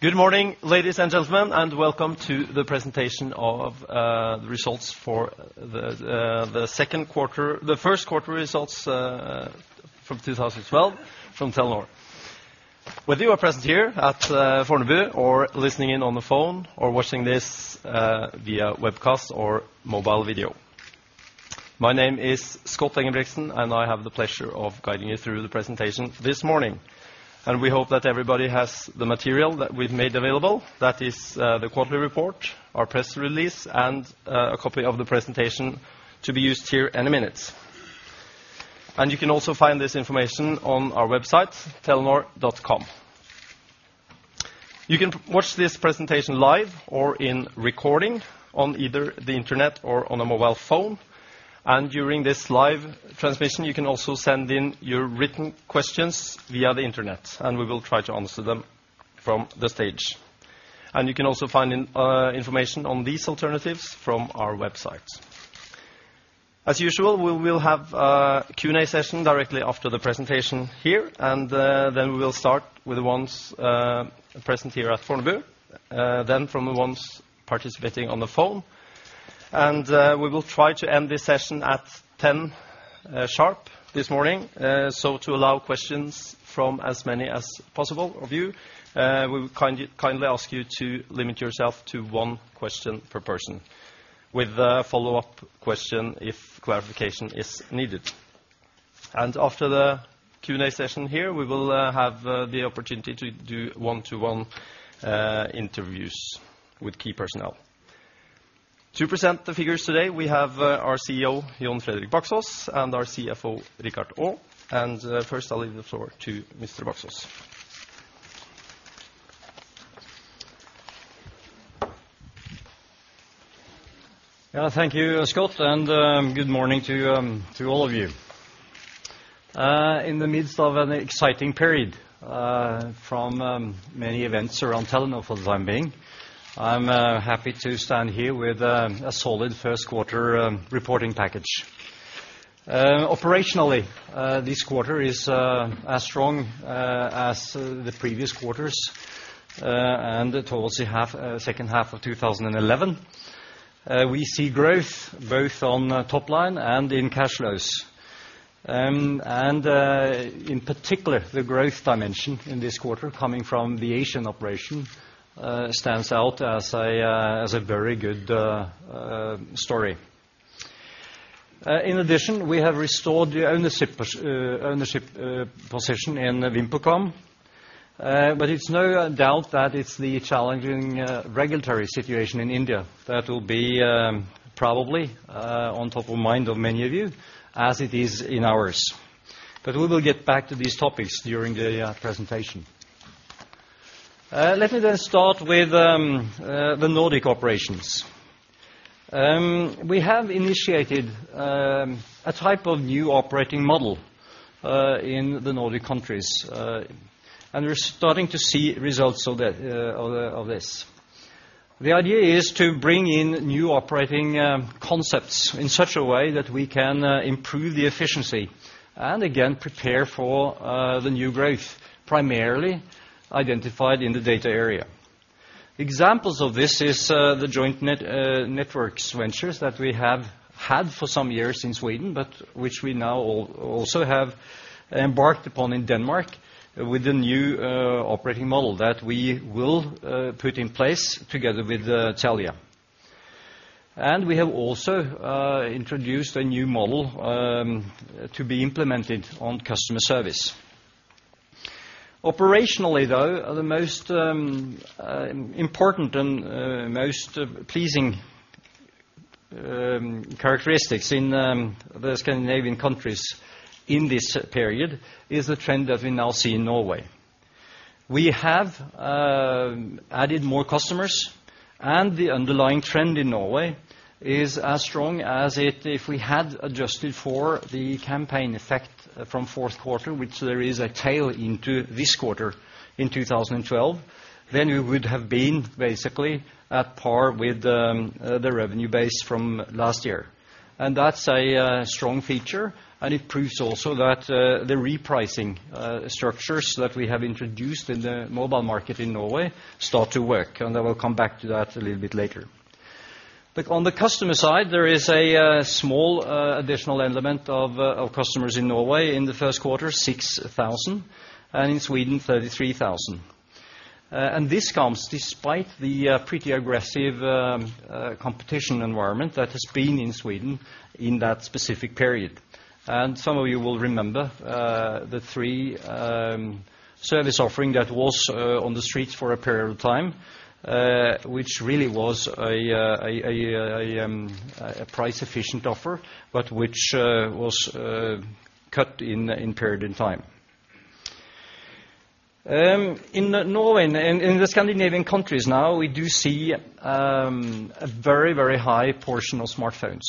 Good morning, ladies and gentlemen, and welcome to the presentation of the results for the Q2, the Q1 results from 2012 from Telenor. Whether you are present here at Fornebu or listening in on the phone, or watching this via webcast or mobile video. My name is Scott Engebrigtsen, and I have the pleasure of guiding you through the presentation this morning. We hope that everybody has the material that we've made available. That is the quarterly report, our press release, and a copy of the presentation to be used here in a minute. You can also find this information on our website, Telenor.com. You can watch this presentation live or in recording on either the internet or on a mobile phone, and during this live transmission, you can also send in your written questions via the internet, and we will try to answer them from the stage. You can also find information on these alternatives from our website. As usual, we will have a Q&A session directly after the presentation here, and then we will start with the ones present here at Fornebu, then from the ones participating on the phone. We will try to end this session at 10 sharp this morning. So to allow questions from as many as possible of you, we would kindly ask you to limit yourself to one question per person, with a follow-up question if clarification is needed. After the Q&A session here, we will have the opportunity to do one-to-one interviews with key personnel. To present the figures today, we have our CEO, Jon Fredrik Baksaas, and our CFO, Richard Aa. First, I'll leave the floor to Mr. Baksaas. Yeah, thank you, Scott, and good morning to all of you. In the midst of an exciting period from many events around Telenor for the time being, I'm happy to stand here with a solid Q1 reporting package. Operationally, this quarter is as strong as the previous quarters and towards the second half of 2011. We see growth both on top line and in cash flows. And in particular, the growth dimension in this quarter, coming from the Asian operation, stands out as a very good story. In addition, we have restored the ownership position in VimpelCom. But it's no doubt that it's the challenging regulatory situation in India that will be probably on top of mind of many of you, as it is in ours. But we will get back to these topics during the presentation. Let me then start with the Nordic operations. We have initiated a type of new operating model in the Nordic countries, and we're starting to see results of this. The idea is to bring in new operating concepts in such a way that we can improve the efficiency, and again, prepare for the new growth, primarily identified in the data area. Examples of this is the joint network ventures that we have had for some years in Sweden, but which we now also have embarked upon in Denmark with the new operating model that we will put in place together with Telia. And we have also introduced a new model to be implemented on customer service. Operationally, though, the most important and most pleasing characteristics in the Scandinavian countries in this period is the trend that we now see in Norway. We have added more customers, and the underlying trend in Norway is as strong as it if we had adjusted for the campaign effect from Q4, which there is a tail into this quarter in 2012, then we would have been basically at par with the revenue base from last year. And that's a strong feature, and it proves also that the repricing structures that we have introduced in the mobile market in Norway start to work, and I will come back to that a little bit later. But on the customer side, there is a small additional element of of customers in Norway in the Q1, 6,000, and in Sweden, 33,000. And this comes despite the pretty aggressive competition environment that has been in Sweden in that specific period. Some of you will remember the three service offering that was on the streets for a period of time, which really was a price-efficient offer, but which was cut in a period in time. In Norway and in the Scandinavian countries now, we do see a very, very high portion of smartphones.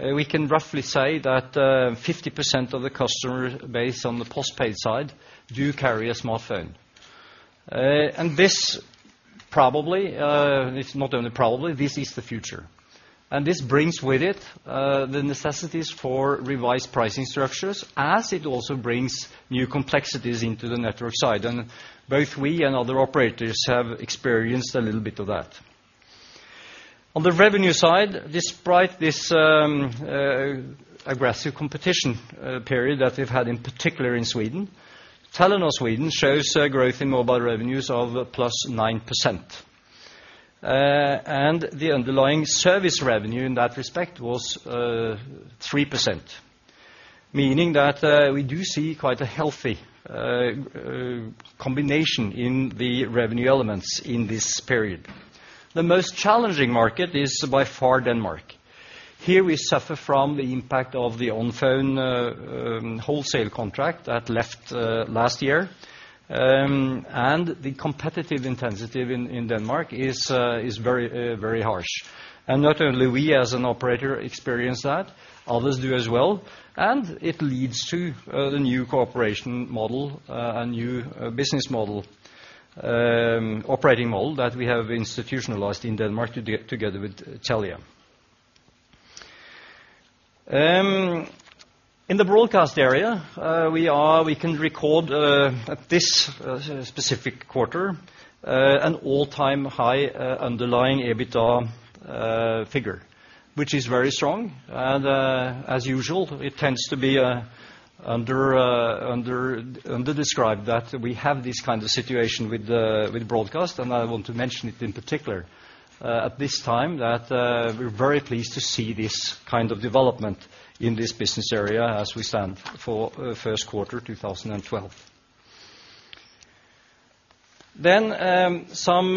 We can roughly say that 50% of the customer base on the postpaid side do carry a smartphone. And this—probably, it's not only probably, this is the future. And this brings with it the necessities for revised pricing structures, as it also brings new complexities into the network side. And both we and other operators have experienced a little bit of that. On the revenue side, despite this aggressive competition period that we've had, in particular in Sweden, Telenor Sweden shows a growth in mobile revenues of +9%. And the underlying service revenue in that respect was 3%. Meaning that we do see quite a healthy combination in the revenue elements in this period. The most challenging market is, by far, Denmark. Here we suffer from the impact of the Onfon wholesale contract that left last year. And the competitive intensity in Denmark is very, very harsh. And not only we, as an operator, experience that, others do as well, and it leads to the new cooperation model, a new business model, operating model that we have institutionalized in Denmark together with Telia. In the broadcast area, we can record at this specific quarter an all-time high underlying EBITDA figure, which is very strong. And as usual, it tends to be under described that we have this kind of situation with the broadcast, and I want to mention it in particular at this time that we're very pleased to see this kind of development in this business area as we stand for Q1 2012. Then some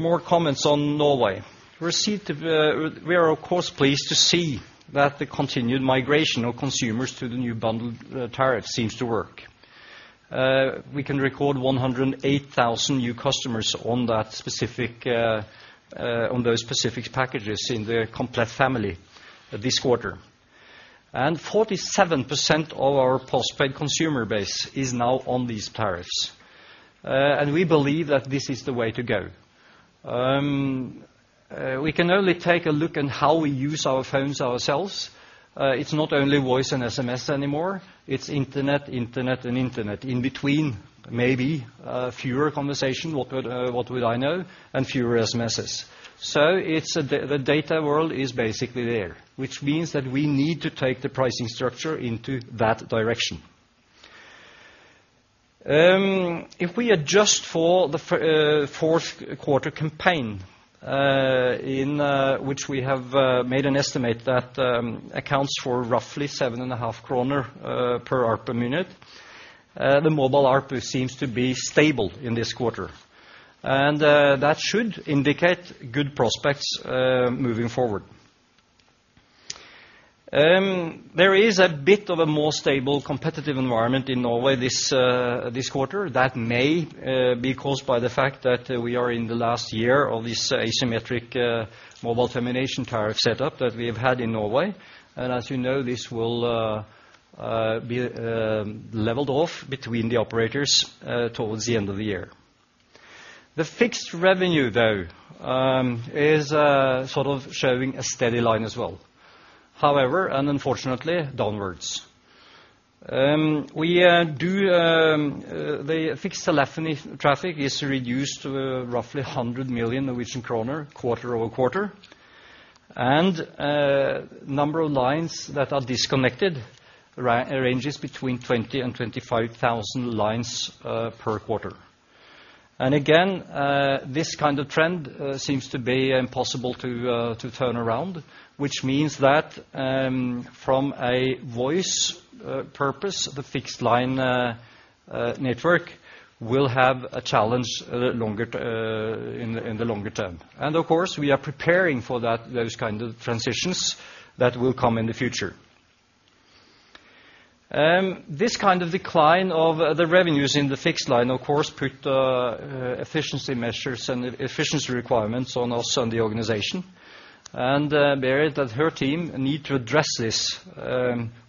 more comments on Norway. We are, of course, pleased to see that the continued migration of consumers to the new bundled tariff seems to work. We can record 108,000 new customers on those specific packages in the Komplett family this quarter. 47% of our postpaid consumer base is now on these tariffs. We believe that this is the way to go. We can only take a look at how we use our phones ourselves. It's not only voice and SMS anymore, it's internet, internet, and internet. In between, maybe fewer conversations, what would I know, and fewer SMSs. So it's the data world is basically there, which means that we need to take the pricing structure into that direction. If we adjust for the Q4 campaign, in which we have made an estimate that accounts for roughly 7.5 kroner per ARPU per month, the mobile ARPU seems to be stable in this quarter. That should indicate good prospects moving forward. There is a bit of a more stable, competitive environment in Norway this quarter. That may be caused by the fact that we are in the last year of this asymmetric mobile termination tariff setup that we have had in Norway. As you know, this will be leveled off between the operators towards the end of the year. The fixed revenue, though, is sort of showing a steady line as well, however, and unfortunately, downwards. The fixed telephony traffic is reduced to roughly 100 million Norwegian kroner, quarter-over-quarter. Number of lines that are disconnected ranges between 20 and 25 thousand lines per quarter. And again, this kind of trend seems to be impossible to turn around, which means that from a voice purpose, the fixed line network will have a challenge longer in the longer term. And of course, we are preparing for that, those kind of transitions that will come in the future. This kind of decline of the revenues in the fixed line, of course, put efficiency measures and efficiency requirements on us and the organization. And Berit and her team need to address this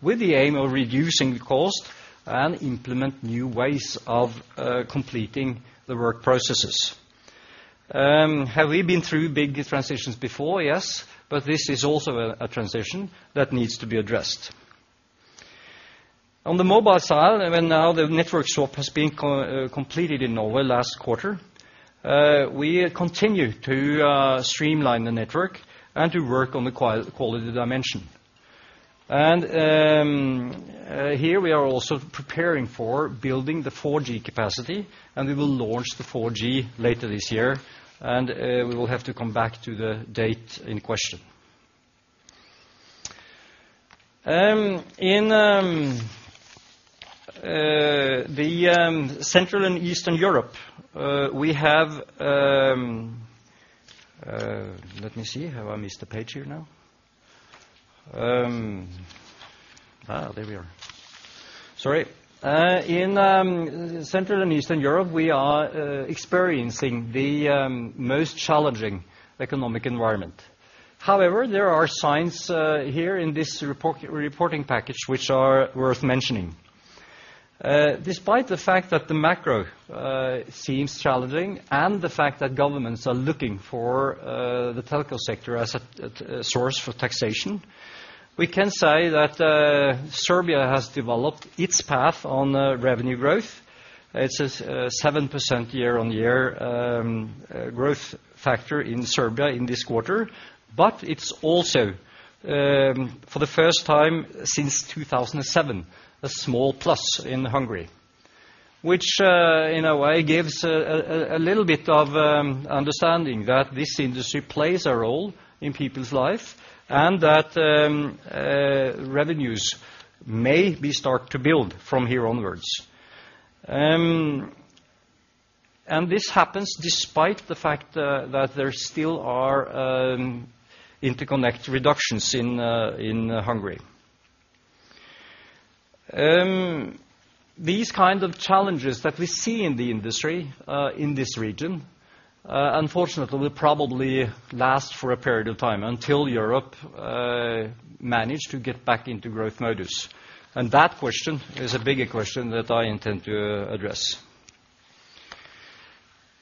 with the aim of reducing the cost and implement new ways of completing the work processes. Have we been through big transitions before? Yes, but this is also a transition that needs to be addressed. On the mobile side, I mean, now the network swap has been completed in Norway last quarter. We continue to streamline the network and to work on the quality dimension. And here we are also preparing for building the 4G capacity, and we will launch the 4G later this year, and we will have to come back to the date in question. In Central and Eastern Europe, we have... Let me see. Have I missed a page here now? There we are. Sorry. In Central and Eastern Europe, we are experiencing the most challenging economic environment. However, there are signs here in this reporting package, which are worth mentioning. Despite the fact that the macro seems challenging, and the fact that governments are looking for the telco sector as a source for taxation, we can say that Serbia has developed its path on revenue growth. It's a 7% year-on-year growth factor in Serbia in this quarter. But it's also for the first time since 2007, a small plus in Hungary. Which in a way gives a little bit of understanding that this industry plays a role in people's life, and that revenues may be start to build from here onwards. And this happens despite the fact that there still are interconnect reductions in Hungary. These kind of challenges that we see in the industry, in this region, unfortunately, will probably last for a period of time, until Europe manage to get back into growth modus. That question is a bigger question that I intend to address.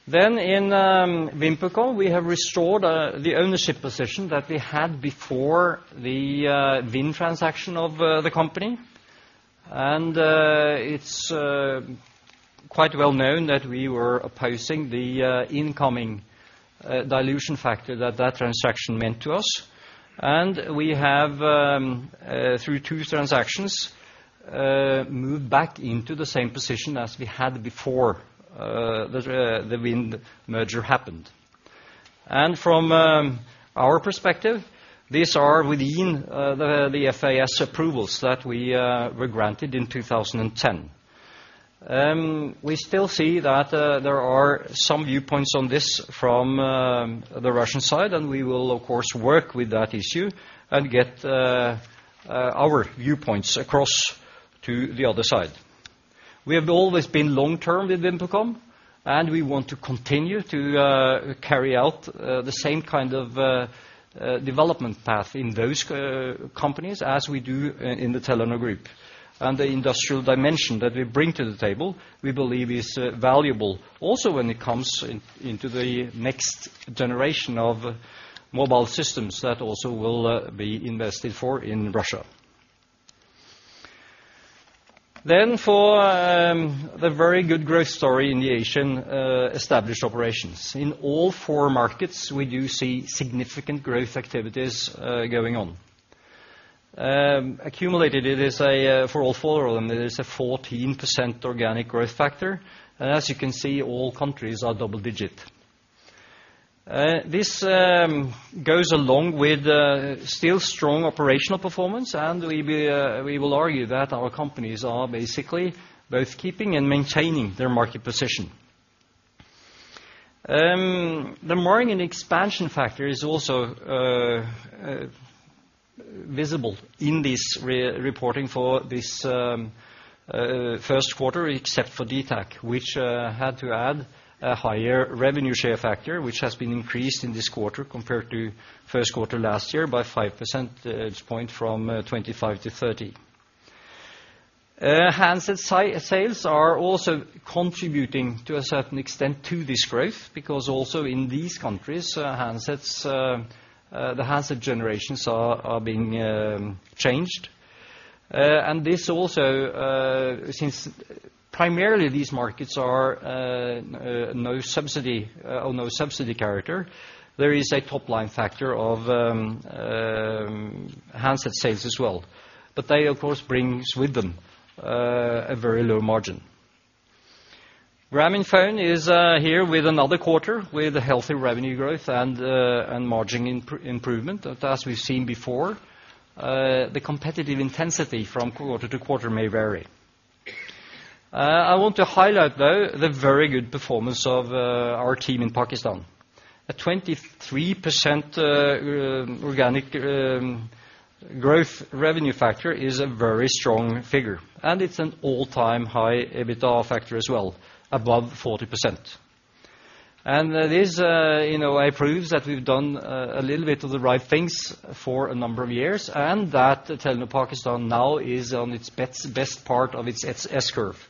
In VimpelCom, we have restored the ownership position that we had before the Vimpel transaction of the company. And it's quite well known that we were opposing the incoming dilution factor that that transaction meant to us. And we have through two transactions moved back into the same position as we had before the Vimpel merger happened. And from our perspective, these are within the FAS approvals that we were granted in 2010. We still see that there are some viewpoints on this from the Russian side, and we will, of course, work with that issue and get our viewpoints across to the other side. We have always been long-term with VimpelCom, and we want to continue to carry out the same kind of development path in those companies as we do in the Telenor Group. And the industrial dimension that we bring to the table, we believe is valuable, also when it comes into the next generation of mobile systems, that also will be invested for in Russia. Then, for the very good growth story in the Asian established operations. In all four markets, we do see significant growth activities going on. Accumulated, it is a, for all four of them, it is a 14% organic growth factor. And as you can see, all countries are double digit. This goes along with still strong operational performance, and we will argue that our companies are basically both keeping and maintaining their market position. The margin expansion factor is also visible in this reporting for this Q1, except for dtac, which had to add a higher revenue share factor, which has been increased in this quarter compared to Q1 last year by 5 percentage points from 25-30. Handset sales are also contributing to a certain extent to this growth, because also in these countries, handsets, the handset generations are being changed. And this also, since primarily these markets are no subsidy, or no subsidy character, there is a top-line factor of handset sales as well. But they, of course, brings with them a very low margin. Grameenphone is here with another quarter, with a healthy revenue growth and margin improvement. But as we've seen before, the competitive intensity from quarter to quarter may vary. I want to highlight, though, the very good performance of our team in Pakistan. A 23% organic growth revenue factor is a very strong figure, and it's an all-time high EBITDA factor as well, above 40%. And this, you know, it proves that we've done a little bit of the right things for a number of years, and that Telenor Pakistan now is on its best, best part of its S-curve.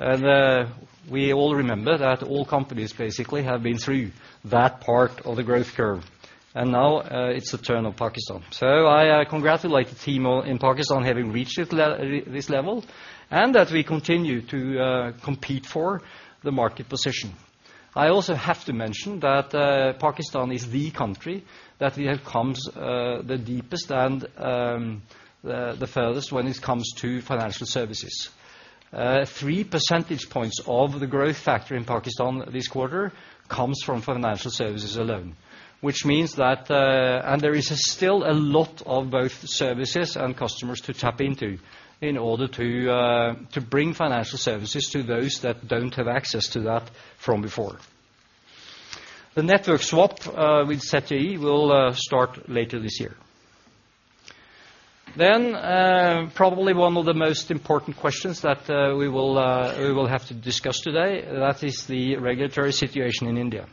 And we all remember that all companies basically have been through that part of the growth curve, and now it's the turn of Pakistan. So I congratulate the team in Pakistan having reached this level, and that we continue to compete for the market position. I also have to mention that Pakistan is the country that we have comes the deepest and the furthest when it comes to financial services. three percentage points of the growth factor in Pakistan this quarter comes from financial services alone, which means that and there is still a lot of both services and customers to tap into in order to to bring financial services to those that don't have access to that from before. The network swap with ZTE will start later this year. Then, probably one of the most important questions that we will have to discuss today, that is the regulatory situation in India.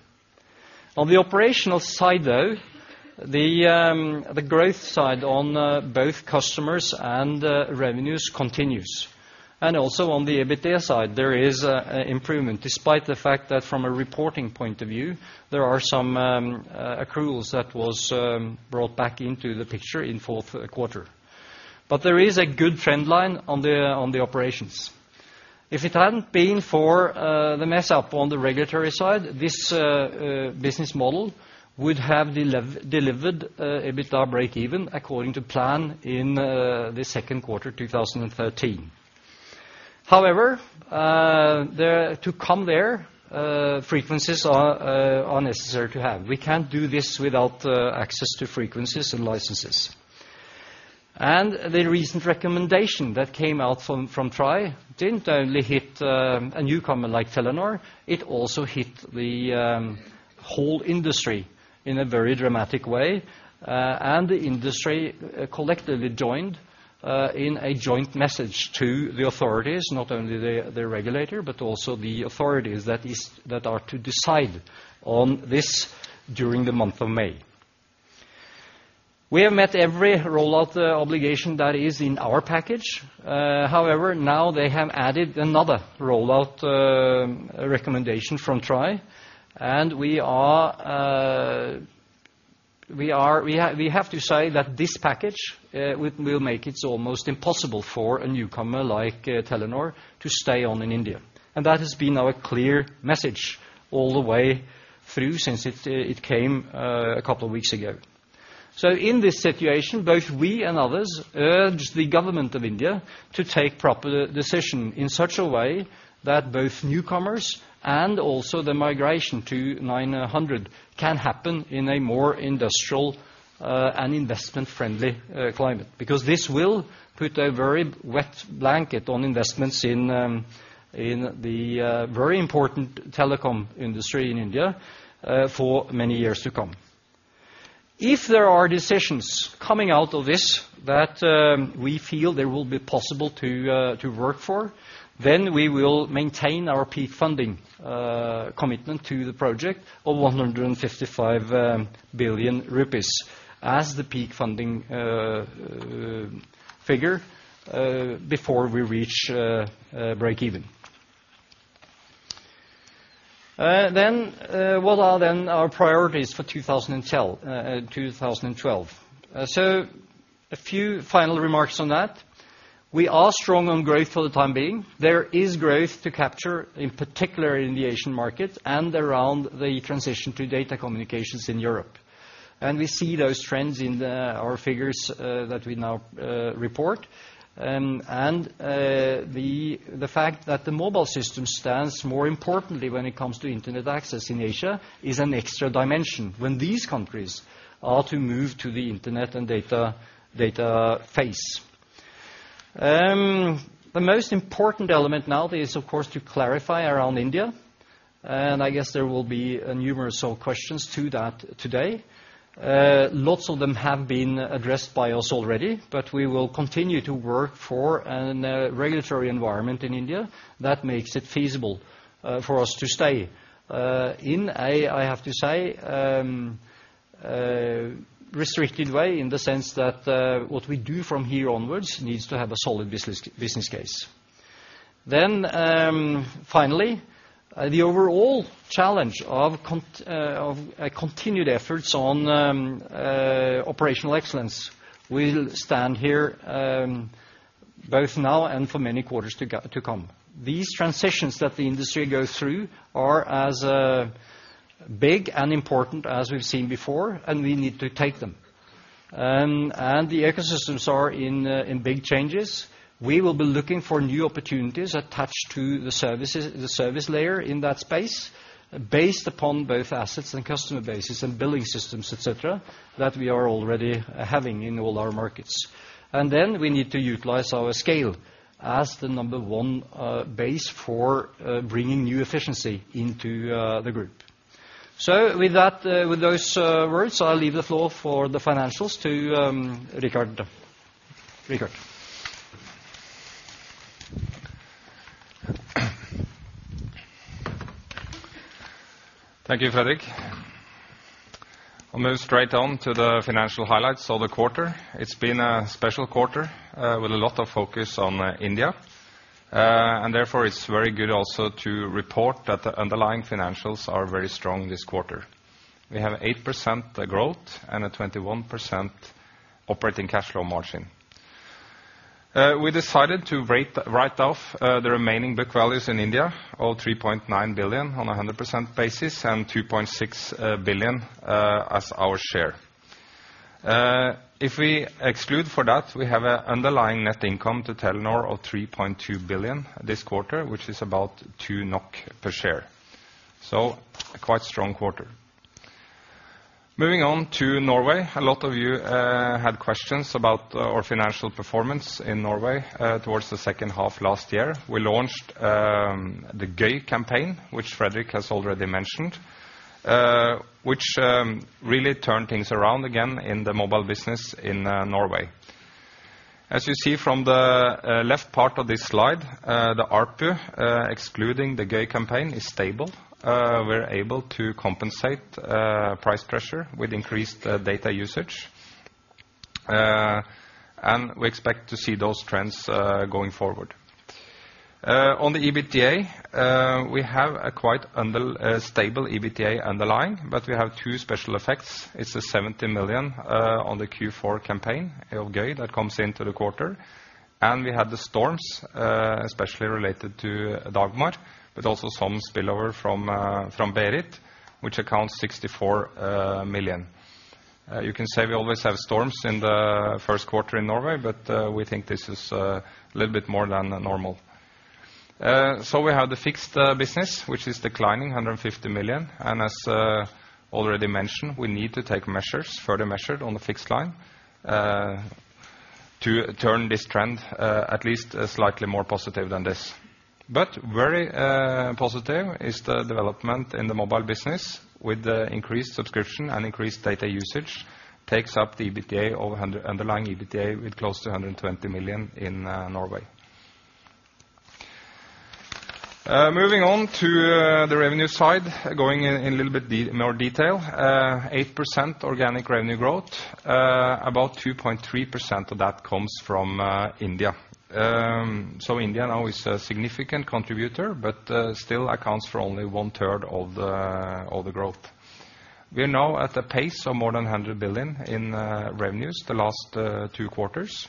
On the operational side, though, the growth side on both customers and revenues continues. And also on the EBITDA side, there is a an improvement, despite the fact that from a reporting point of view, there are some accruals that was brought back into the picture in Q4. But there is a good trend line on the operations. If it hadn't been for the mess up on the regulatory side, this business model would have delivered EBITDA breakeven according to plan in the Q2, 2013. However, to come there, frequencies are necessary to have. We can't do this without access to frequencies and licenses. And the recent recommendation that came out from TRAI didn't only hit a newcomer like Telenor, it also hit the whole industry in a very dramatic way. And the industry collectively joined in a joint message to the authorities, not only the regulator, but also the authorities that are to decide on this during the month of May. We have met every rollout obligation that is in our package. However, now they have added another rollout recommendation from TRAI, and we have to say that this package will make it almost impossible for a newcomer like Telenor to stay on in India. And that has been our clear message all the way through since it came a couple of weeks ago. So in this situation, both we and others urge the government of India to take proper decision in such a way that both newcomers and also the migration to 900 can happen in a more industrial and investment-friendly climate. Because this will put a very wet blanket on investments in the very important telecom industry in India for many years to come. If there are decisions coming out of this that, we feel they will be possible to, to work for, then we will maintain our peak funding, commitment to the project of 155 billion rupees as the peak funding, figure, before we reach, breakeven. Then, what are then our priorities for 2012? So a few final remarks on that: we are strong on growth for the time being. There is growth to capture, in particular in the Asian market and around the transition to data communications in Europe. And we see those trends in the, our figures, that we now, report. The fact that the mobile system stands more importantly when it comes to internet access in Asia is an extra dimension when these countries are to move to the internet and data phase. The most important element now is, of course, to clarify around India, and I guess there will be numerous of questions to that today. Lots of them have been addressed by us already, but we will continue to work for an regulatory environment in India that makes it feasible for us to stay in a, I have to say, restricted way, in the sense that what we do from here onwards needs to have a solid business, business case. Then, finally, the overall challenge of continued efforts on operational excellence will stand here, both now and for many quarters to come. These transitions that the industry go through are as big and important as we've seen before, and we need to take them. The ecosystems are in big changes. We will be looking for new opportunities attached to the services, the service layer in that space, based upon both assets and customer bases and billing systems, et cetera, that we are already having in all our markets. Then we need to utilize our scale as the number one base for bringing new efficiency into the group. So with that, with those words, I'll leave the floor for the financials to Richard. Richard? Thank you, Fredrik. I'll move straight on to the financial highlights of the quarter. It's been a special quarter, with a lot of focus on India. And therefore, it's very good also to report that the underlying financials are very strong this quarter. We have 8% growth and a 21% operating cash flow margin. We decided to write off the remaining book values in India, of 3.9 billion on a 100% basis and 2.6 billion as our share. If we exclude for that, we have an underlying net income to Telenor of 3.2 billion this quarter, which is about 2 NOK per share. So a quite strong quarter. Moving on to Norway. A lot of you had questions about our financial performance in Norway towards the second half last year. We launched the Gøy campaign, which Fredrik has already mentioned, which really turned things around again in the mobile business in Norway. As you see from the left part of this slide, the ARPU excluding the Gøy campaign is stable. We're able to compensate price pressure with increased data usage. And we expect to see those trends going forward. On the EBITDA, we have a quite stable EBITDA underlying, but we have two special effects. It's 70 million on the Q4 campaign of Gøy that comes into the quarter, and we had the storms especially related to Dagmar, but also some spillover from Berit, which accounts 64 million. You can say we always have storms in the Q1 in Norway, but we think this is a little bit more than normal. So we have the fixed business, which is declining 150 million, and as already mentioned, we need to take measures, further measure on the fixed line to turn this trend at least slightly more positive than this. But very positive is the development in the mobile business with the increased subscription and increased data usage, takes up the EBITDA over 100 underlying EBITDA with close to NOK 120 million in Norway. Moving on to the revenue side, going in a little bit more detail. 8% organic revenue growth, about 2.3% of that comes from India. So India now is a significant contributor, but still accounts for only one third of the growth. We're now at a pace of more than 100 billion in revenues the last two quarters.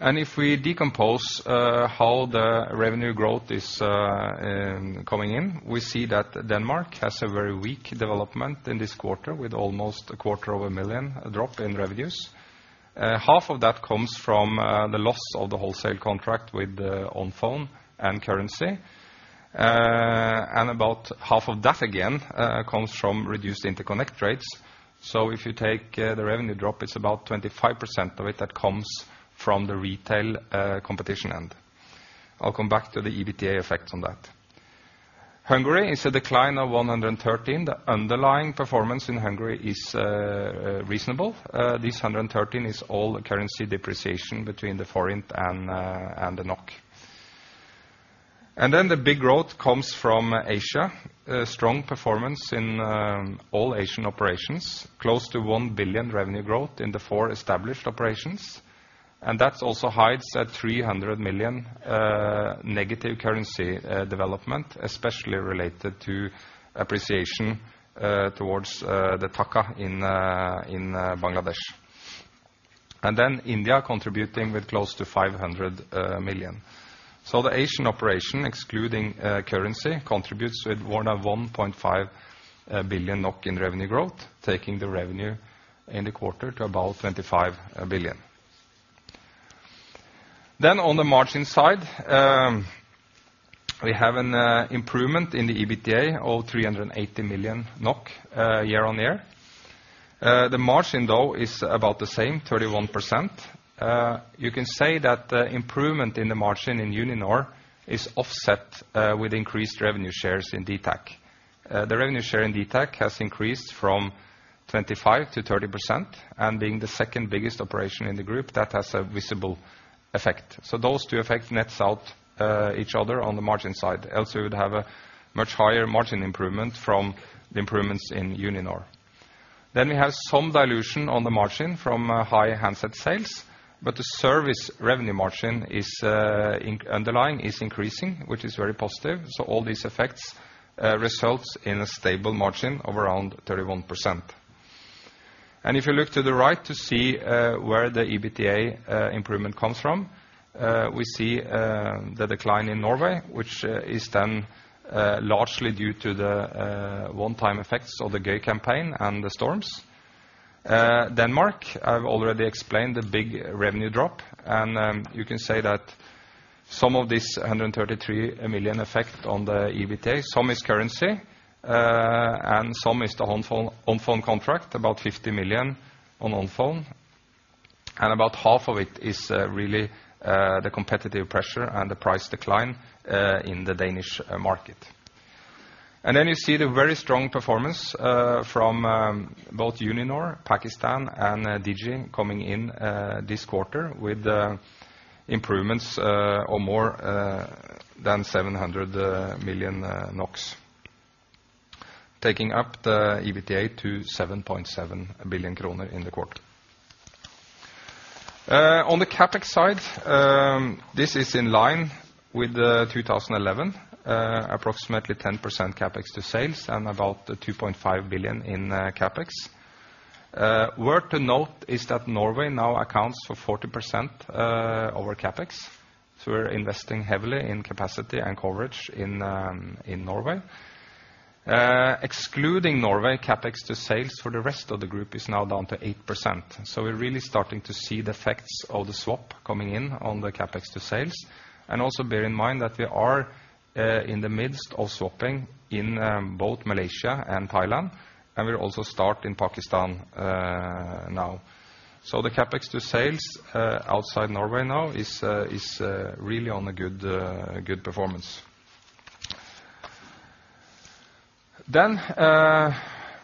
If we decompose how the revenue growth is coming in, we see that Denmark has a very weak development in this quarter, with almost 250,000 drop in revenues. Half of that comes from the loss of the wholesale contract with the Onfon and currency. And about half of that, again, comes from reduced interconnect rates. So if you take the revenue drop, it's about 25% of it that comes from the retail competition end. I'll come back to the EBITDA effects on that. Hungary is a decline of 113. The underlying performance in Hungary is reasonable. This 113 is all currency depreciation between the forint and the NOK. Then the big growth comes from Asia. Strong performance in all Asian operations, close to 1 billion revenue growth in the four established operations. And that also hides 300 million negative currency development, especially related to appreciation towards the taka in Bangladesh. Then India contributing with close to 500 million. So the Asian operation, excluding currency, contributes with more than 1.5 billion NOK in revenue growth, taking the revenue in the quarter to about 25 billion. Then on the margin side, we have an improvement in the EBITDA of 380 million NOK year-on-year. The margin, though, is about the same, 31%. You can say that the improvement in the margin in Uninor is offset with increased revenue shares in dtac. The revenue share in dtac has increased from 25%-30%, and being the second biggest operation in the group, that has a visible effect. So those two effects nets out each other on the margin side, else we would have a much higher margin improvement from the improvements in Uninor. Then we have some dilution on the margin from high handset sales, but the service revenue margin is underlying, is increasing, which is very positive. So all these effects results in a stable margin of around 31%. If you look to the right to see where the EBITDA improvement comes from, we see the decline in Norway, which is then largely due to the one-time effects of the gay campaign and the storms. Denmark, I've already explained the big revenue drop, and you can say that some of this 133 million effect on the EBITDA, some is currency, and some is the Onfon, Onfon contract, about 50 million on Onfon, and about half of it is really the competitive pressure and the price decline in the Danish market. You see the very strong performance from both Uninor, Pakistan, and Digi coming in this quarter with improvements of more than 700 million NOK, taking up the EBITDA to 7.7 billion kroner in the quarter. On the CapEx side, this is in line with 2011, approximately 10% CapEx to sales and about 2.5 billion in CapEx. Worth to note is that Norway now accounts for 40% of our CapEx. So we're investing heavily in capacity and coverage in Norway. Excluding Norway, CapEx to sales for the rest of the group is now down to 8%. So we're really starting to see the effects of the swap coming in on the CapEx to sales. And also bear in mind that we are in the midst of swapping in both Malaysia and Thailand, and we'll also start in Pakistan now. So the CapEx to sales outside Norway now is really on a good performance. Then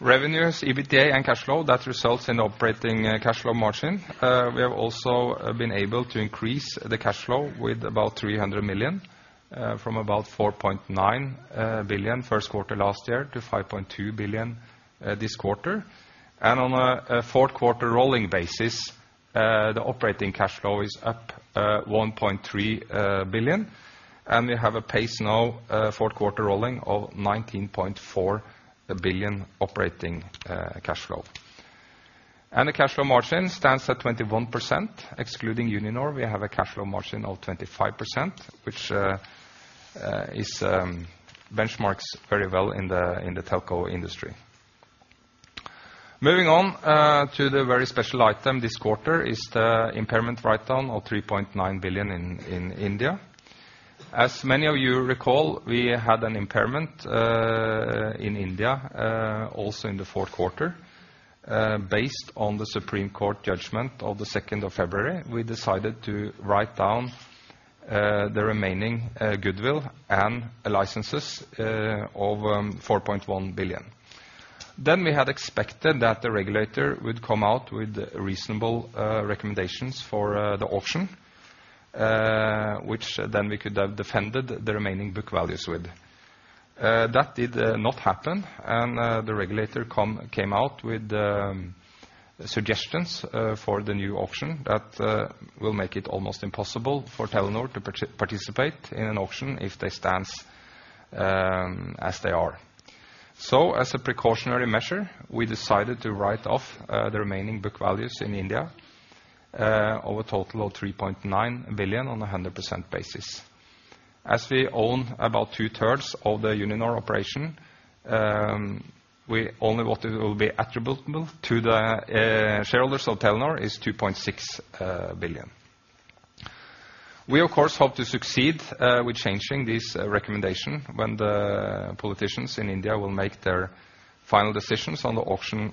revenues, EBITDA, and cash flow that results in operating cash flow margin. We have also been able to increase the cash flow with about 300 million from about 4.9 billion Q1 last year to 5.2 billion this quarter. And on a Q4 rolling basis the operating cash flow is up 1.3 billion, and we have a pace now Q4 rolling of 19.4 billion operating cash flow. And the cash flow margin stands at 21%. Excluding Uninor, we have a cash flow margin of 25%, which is benchmarks very well in the telco industry. Moving on to the very special item this quarter is the impairment write-down of 3.9 billion in India. As many of you recall, we had an impairment in India also in the Q4. Based on the Supreme Court judgment of the second of February, we decided to write down the remaining goodwill and licenses of 4.1 billion. Then we had expected that the regulator would come out with reasonable recommendations for the auction, which then we could have defended the remaining book values with. That did not happen, and the regulator came out with suggestions for the new auction that will make it almost impossible for Telenor to participate in an auction if they stand as they are. So as a precautionary measure, we decided to write off the remaining book values in India of a total of 3.9 billion on a 100% basis. As we own about two-thirds of the Uninor operation, what will be attributable to the shareholders of Telenor is 2.6 billion. We, of course, hope to succeed with changing this recommendation when the politicians in India will make their final decisions on the auction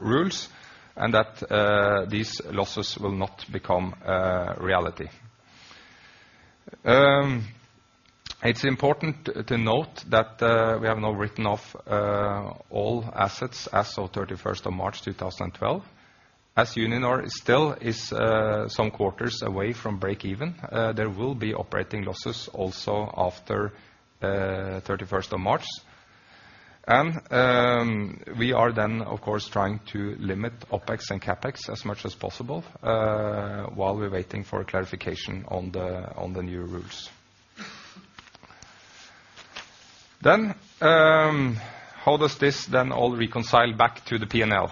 rules, and that these losses will not become a reality. It's important to note that we have now written off all assets as of March 31, 2012. As Uninor still is some quarters away from break even, there will be operating losses also after March 31. We are then, of course, trying to limit OpEx and CapEx as much as possible while we're waiting for clarification on the new rules. Then, how does this then all reconcile back to the P&L?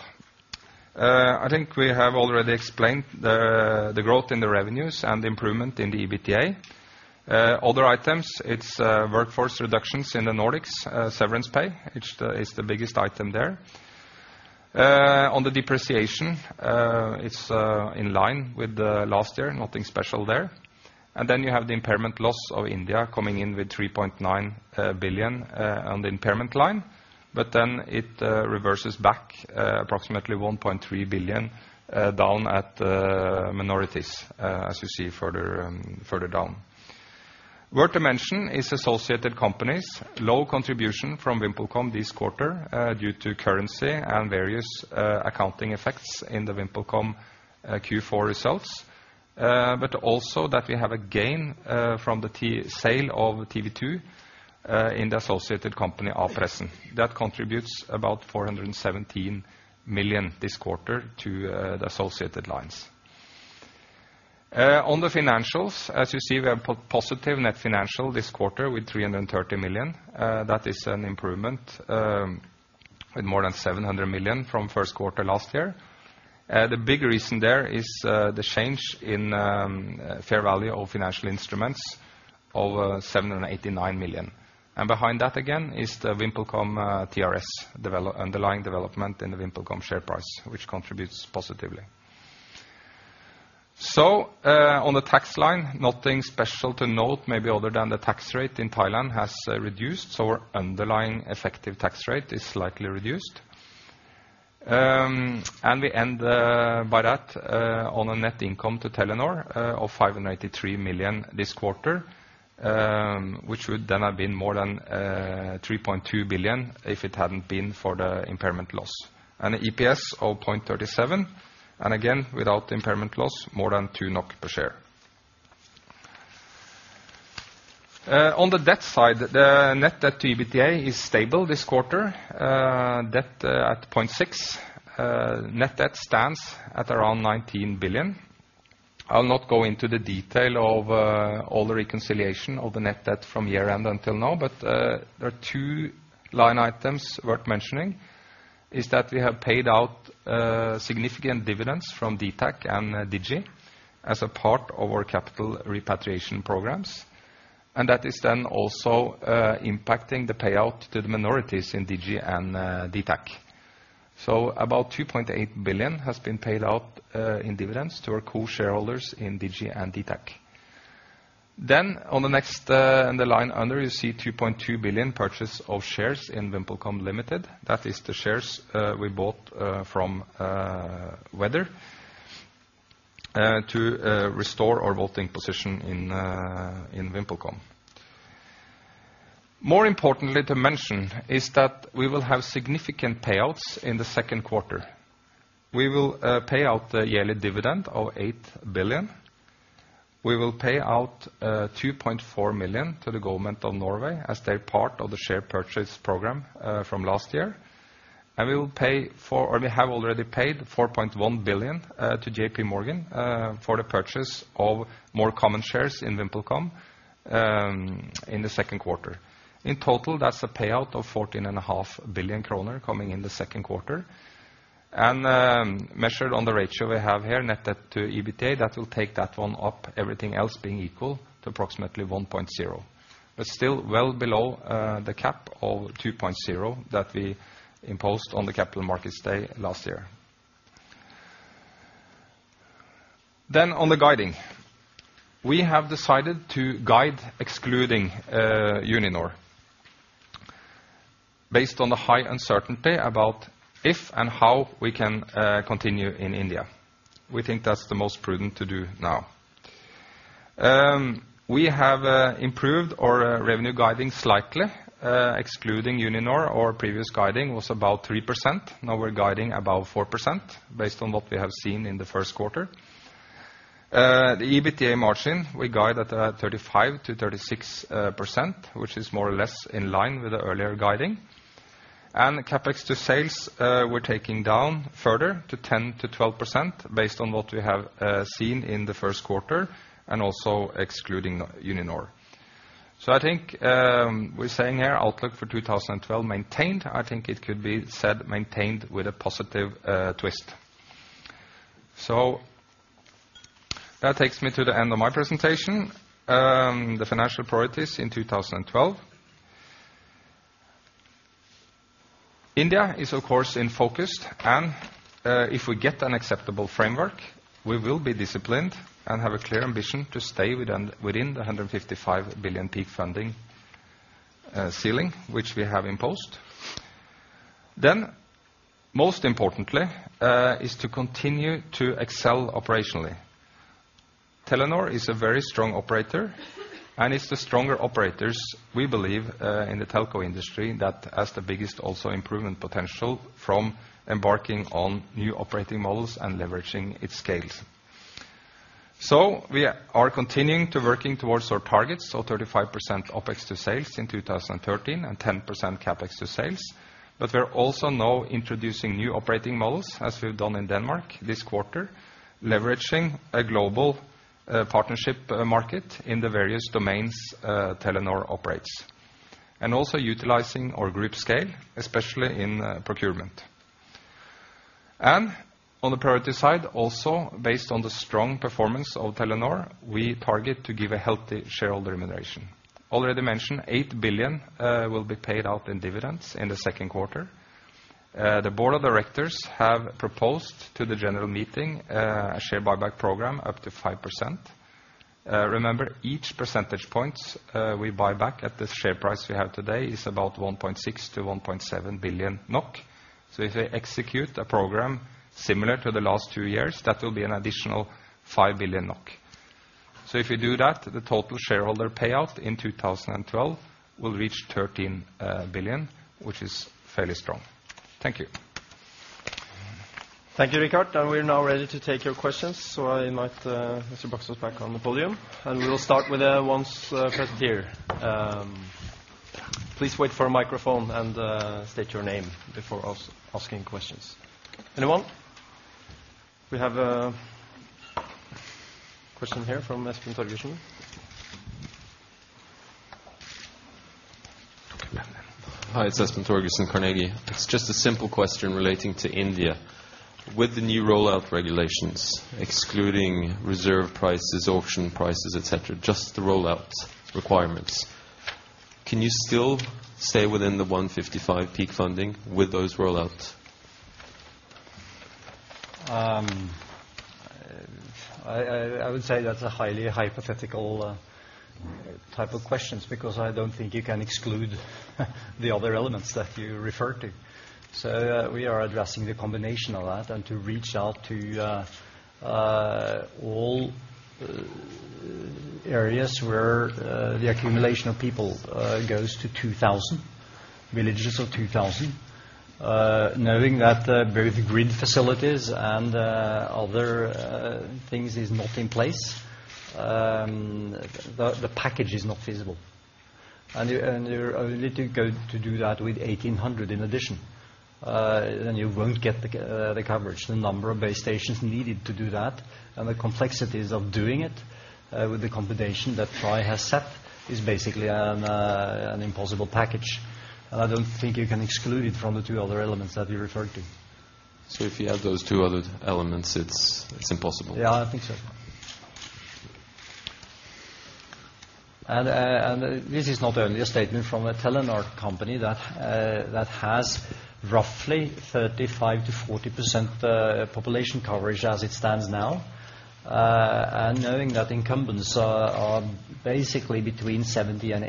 I think we have already explained the growth in the revenues and the improvement in the EBITDA. Other items, it's workforce reductions in the Nordics, severance pay, it's the biggest item there. On the depreciation, it's in line with last year, nothing special there. And then you have the impairment loss of India coming in with 3.9 billion on the impairment line, but then it reverses back approximately 1.3 billion down at minorities as you see further down. Worth to mention is associated companies. Low contribution from VimpelCom this quarter due to currency and various accounting effects in the VimpelCom Q4 results, but also that we have a gain from the sale of TV 2 in the associated company A-pressen. That contributes about 417 million this quarter to the associated lines. On the financials, as you see, we have positive net financial this quarter with 330 million. That is an improvement with more than 700 million from Q1 last year. The big reason there is the change in fair value of financial instruments of 789 million. And behind that, again, is the VimpelCom TRS underlying development in the VimpelCom share price, which contributes positively. So, on the tax line, nothing special to note, maybe other than the tax rate in Thailand has reduced, so our underlying effective tax rate is slightly reduced. And we end, by that, on a net income to Telenor of 583 million this quarter, which would then have been more than 3.2 billion if it hadn't been for the impairment loss. And EPS of 0.37, and again, without the impairment loss, more than 2 NOK per share. On the debt side, the net debt to EBITDA is stable this quarter, debt at 0.6. Net debt stands at around 19 billion. I'll not go into the detail of all the reconciliation of the net debt from year-end until now, but there are two line items worth mentioning: we have paid out significant dividends from dtac and Digi as a part of our capital repatriation programs. And that is then also impacting the payout to the minorities in Digi and dtac. So about 2.8 billion has been paid out in dividends to our co-shareholders in Digi and dtac. Then on the next, and the line under, you see 2.2 billion purchase of shares in VimpelCom Limited. That is the shares we bought from Weather.... To restore our voting position in VimpelCom. More importantly to mention is that we will have significant payouts in the Q2. We will pay out the yearly dividend of 8 billion. We will pay out 2.4 million to the government of Norway as their part of the share purchase program from last year. Or we have already paid 4.1 billion to J.P. Morgan for the purchase of more common shares in VimpelCom in the Q2. In total, that's a payout of 14.5 billion kroner coming in the Q2, and measured on the ratio we have here, net debt to EBITDA, that will take that one up, everything else being equal, to approximately 1.0. But still well below the cap of 2.0 that we imposed on the Capital Markets Day last year. Then on the guiding. We have decided to guide excluding Uninor. Based on the high uncertainty about if and how we can continue in India. We think that's the most prudent to do now. We have improved our revenue guiding slightly excluding Uninor. Our previous guiding was about 3%, now we're guiding about 4%, based on what we have seen in the Q1. The EBITDA margin, we guide at 35%-36%, which is more or less in line with the earlier guiding. And the CapEx to sales, we're taking down further to 10%-12%, based on what we have seen in the Q1, and also excluding Uninor. So I think, we're saying here, outlook for 2012 maintained. I think it could be said, maintained with a positive, twist. So that takes me to the end of my presentation. The financial priorities in 2012. India is, of course, in focus, and, if we get an acceptable framework, we will be disciplined and have a clear ambition to stay within, within the 155 billion peak funding, ceiling, which we have imposed. Then, most importantly, is to continue to excel operationally. Telenor is a very strong operator, and it's the stronger operators, we believe, in the telco industry, that has the biggest also improvement potential from embarking on new operating models and leveraging its scales. So we are continuing to working towards our targets of 35% OpEx to sales in 2013, and 10% CapEx to sales. But we're also now introducing new operating models, as we've done in Denmark this quarter, leveraging a global partnership market in the various domains Telenor operates. And also utilizing our group scale, especially in procurement. And on the priority side, also, based on the strong performance of Telenor, we target to give a healthy shareholder remuneration. Already mentioned, 8 billion will be paid out in dividends in the Q2. The board of directors have proposed to the general meeting a share buyback program up to 5%. Remember, each percentage points we buy back at the share price we have today, is about 1.6 billion-1.7 billion NOK. So if we execute a program similar to the last two years, that will be an additional 5 billion NOK. So if we do that, the total shareholder payout in 2012 will reach 13 billion, which is fairly strong. Thank you. Thank you, Rikard. We're now ready to take your questions. I invite Mr. Baksaas back on the podium, and we will start with the ones first here. Please wait for a microphone and state your name before asking questions. Anyone? We have a question here from Espen Torgersen. Hi, it's Espen Torgersen, Carnegie. It's just a simple question relating to India. With the new rollout regulations, excluding reserve prices, auction prices, et cetera, just the rollout requirements, can you still stay within the 155 billion Peak Funding with those rollouts? I would say that's a highly hypothetical type of questions, because I don't think you can exclude the other elements that you referred to. So we are addressing the combination of that and to reach out to all areas where the accumulation of people goes to 2,000 villages of 2,000. Knowing that both the grid facilities and other things is not in place, the package is not feasible. And you're only to go to do that with 1,800 in addition, then you won't get the coverage. The number of base stations needed to do that and the complexities of doing it with the combination that TRAI has set is basically an impossible package. And I don't think you can exclude it from the two other elements that you referred to. If you add those two other elements, it's, it's impossible? Yeah, I think so. And this is not only a statement from a Telenor company that has roughly 35%-40% population coverage as it stands now.... knowing that incumbents are basically between 70% and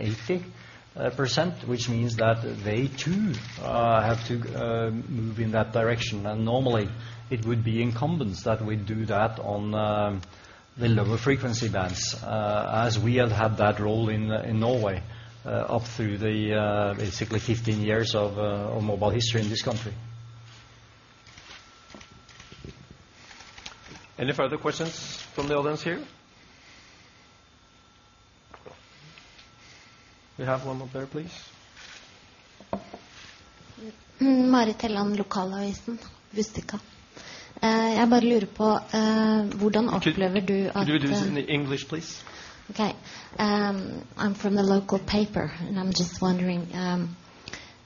80%, which means that they, too, have to move in that direction. And normally, it would be incumbents that would do that on the lower frequency bands, as we have had that role in Norway up through the basically 15 years of mobile history in this country. Any further questions from the audience here? We have one up there, please. Marit Helland, Budstikka. I'm wondering how do you feel- Could you do this in English, please? Okay. I'm from the local paper, and I'm just wondering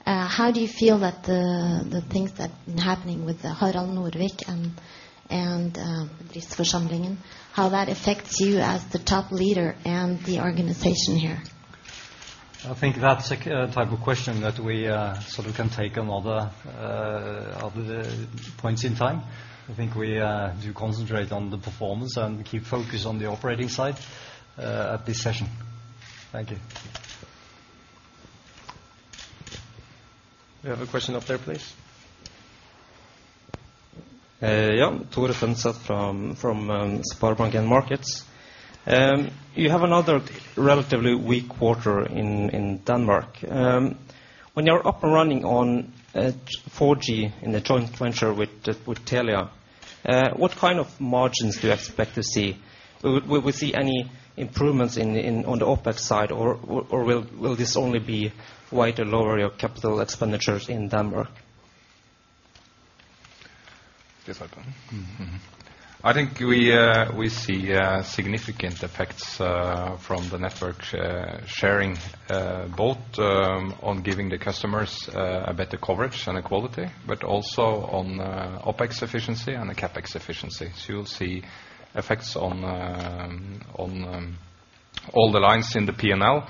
how do you feel that the things that are happening with the Harald Norvik and this forsamlingen how that affects you as the top leader and the organization here? I think that's a kind of question that we sort of can take on other other points in time. I think we do concentrate on the performance and keep focus on the operating side at this session. Thank you. We have a question up there, please. Yeah. Tore Tønseth from SpareBank 1 Markets. You have another relatively weak quarter in Denmark. When you're up and running on 4G in the joint venture with Telia, what kind of margins do you expect to see? Will we see any improvements in, on the OpEx side, or will this only be way to lower your capital expenditures in Denmark? Yes, I can. Mm-hmm. I think we see significant effects from the network sharing both on giving the customers a better coverage and a quality, but also on OpEx efficiency and the CapEx efficiency. So you'll see effects on all the lines in the P&L,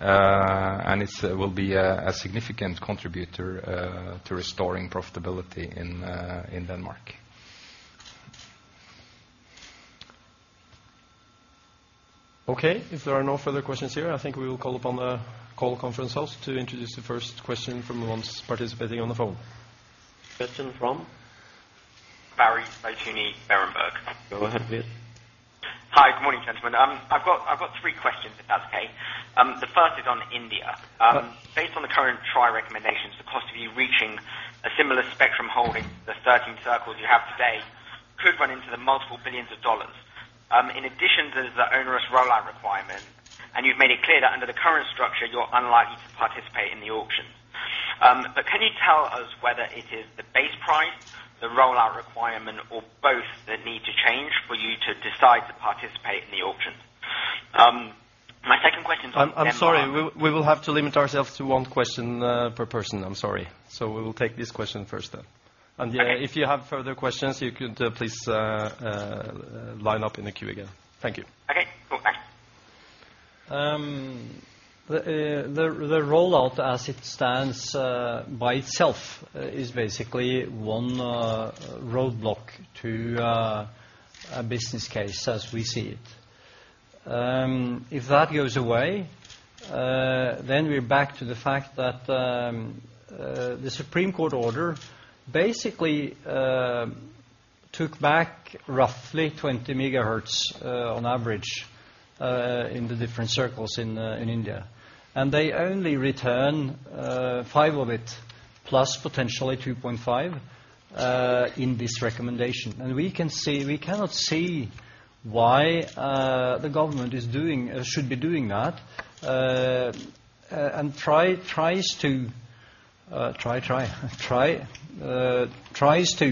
and it will be a significant contributor to restoring profitability in Denmark. Okay, if there are no further questions here, I think we will call upon the call conference host to introduce the first question from the ones participating on the phone. Question from? Barry Zeitoune, Berenberg. Go ahead, please. Hi, good morning, gentlemen. I've got three questions, if that's okay. The first is on India. Based on the current TRAI recommendations, the cost of you reaching a similar spectrum holding the 13 circles you have today could run into multiple billions of dollars. In addition to the onerous rollout requirement, and you've made it clear that under the current structure, you're unlikely to participate in the auction. But can you tell us whether it is the base price, the rollout requirement, or both that need to change for you to decide to participate in the auction? My second question is on- I'm sorry. We will have to limit ourselves to one question per person. I'm sorry. So we will take this question first then. Okay. And yeah, if you have further questions, you could please line up in the queue again. Thank you. Okay, cool. Thanks. The rollout as it stands by itself is basically one roadblock to a business case as we see it. If that goes away, then we're back to the fact that the Supreme Court order basically took back roughly 20 megahertz on average in the different circles in India. And they only return five of it, plus potentially 2.5 in this recommendation. And we can see - we cannot see why the government is doing should be doing that and tries to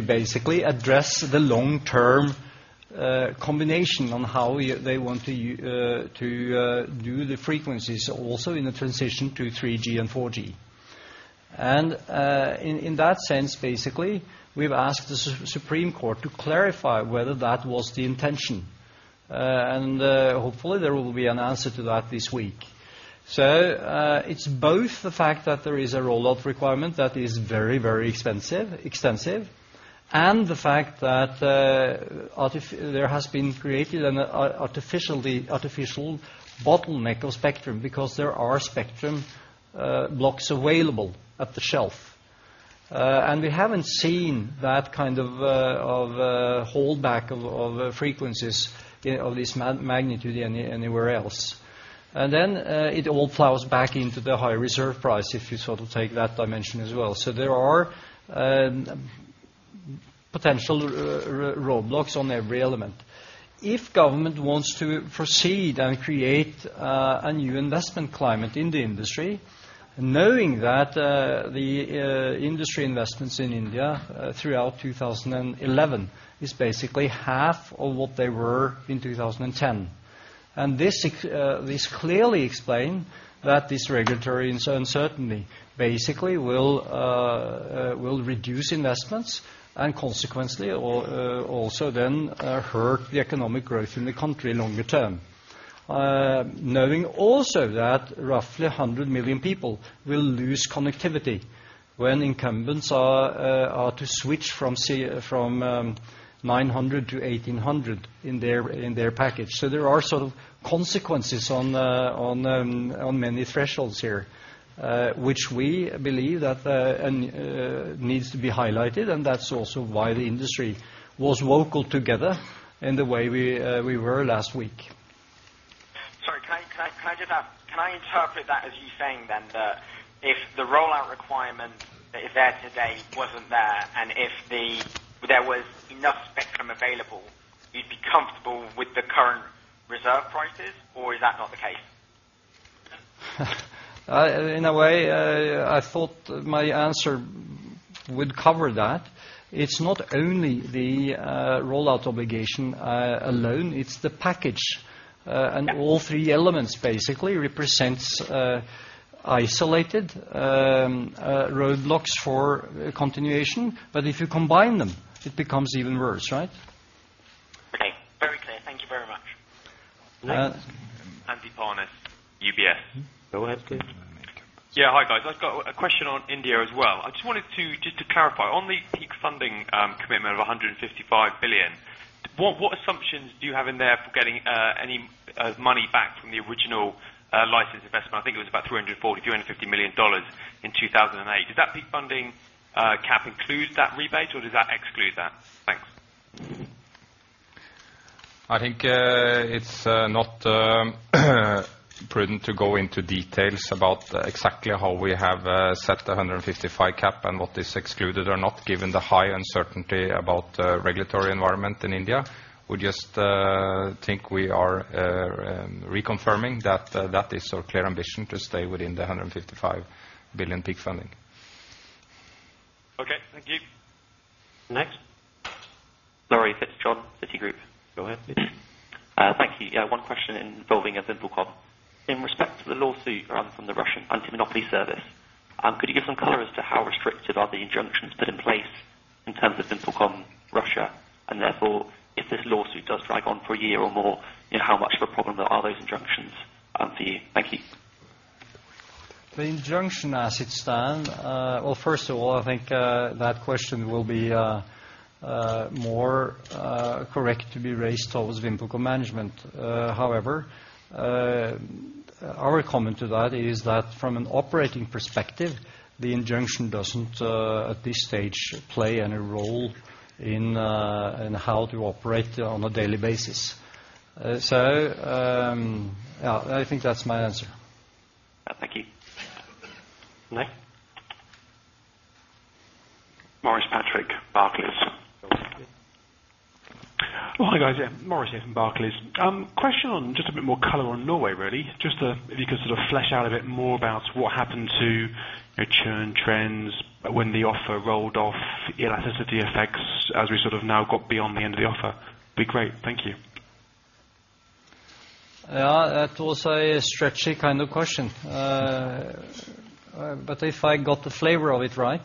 basically address the long-term combination on how they want to do the frequencies also in the transition to 3G and 4G. In that sense, basically, we've asked the Supreme Court to clarify whether that was the intention. Hopefully, there will be an answer to that this week. It's both the fact that there is a rollout requirement that is very, very expensive, extensive, and the fact that there has been created an artificial bottleneck of spectrum, because there are spectrum blocks available on the shelf. We haven't seen that kind of hold back of frequencies of this magnitude anywhere else. It all flows back into the high reserve price, if you sort of take that dimension as well. There are potential roadblocks on every element. If government wants to proceed and create a new investment climate in the industry, knowing that the industry investments in India throughout 2011 is basically half of what they were in 2010. And this clearly explain that this regulatory uncertainty basically will reduce investments and consequently or also then hurt the economic growth in the country longer term. Knowing also that roughly 100 million people will lose connectivity when incumbents are to switch from, say, 900 to 1800 in their package. So there are sort of consequences on many thresholds here, which we believe that needs to be highlighted, and that's also why the industry was vocal together in the way we were last week. Sorry, can I just ask? Can I interpret that as you saying then that if the rollout requirement that is there today wasn't there, and if there was enough spectrum available, you'd be comfortable with the current reserve prices, or is that not the case? In a way, I thought my answer would cover that. It's not only the rollout obligation alone, it's the package. Yeah. And all three elements basically represents isolated roadblocks for continuation. But if you combine them, it becomes even worse, right? Okay, very clear. Thank you very much. Next? Andy Parnis, UBS. Go ahead, please. Yeah. Hi, guys. I've got a question on India as well. I just wanted to, just to clarify, on the peak funding commitment of 155 billion, what assumptions do you have in there for getting any money back from the original license investment? I think it was about $340-$350 million in 2008. Does that peak funding cap include that rebate, or does that exclude that? Thanks. I think it's not prudent to go into details about exactly how we have set the 155 cap and what is excluded or not, given the high uncertainty about the regulatory environment in India. We just think we are reconfirming that that is our clear ambition, to stay within the 155 billion peak funding. Okay. Thank you. Next? Sorry, it's John, Citigroup. Go ahead, please. Thank you. Yeah, one question involving VimpelCom. In respect to the lawsuit run from the Russian anti-monopoly service, could you give some color as to how restrictive are the injunctions put in place in terms of VimpelCom Russia? And therefore, if this lawsuit does drag on for a year or more, you know, how much of a problem are those injunctions for you? Thank you. The injunction as it stands. Well, first of all, I think that question will be more correct to be raised towards VimpelCom management. However, our comment to that is that from an operating perspective, the injunction doesn't, at this stage, play any role in how to operate on a daily basis. So, yeah, I think that's my answer. Thank you. Next? Maurice Patrick, Barclays. Go ahead. Oh, hi, guys. Yeah, Maurice here from Barclays. Question on just a bit more color on Norway, really. Just to, if you could sort of flesh out a bit more about what happened to your churn trends when the offer rolled off, elasticity effects, as we sort of now got beyond the end of the offer. Be great. Thank you. Yeah, that was a stretchy kind of question. But if I got the flavor of it right,